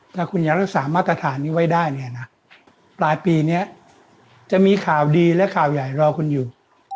ถ้าคุณยังรักษามาตรฐานนี้ไว้ได้เนี่ยนะปลายปีนี้จะมีข่าวดีและข่าวใหญ่รอคุณอยู่